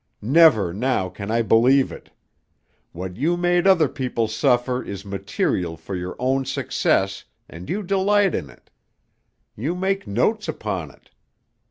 Never now can I believe it. What you make other people suffer is material for your own success and you delight in it. You make notes upon it.